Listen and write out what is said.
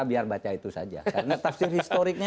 biar baca itu saja karena tafsir historiknya